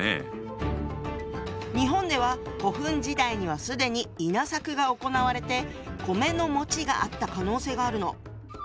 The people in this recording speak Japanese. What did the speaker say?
日本では古墳時代には既に稲作が行われて米のがあった可能性があるの。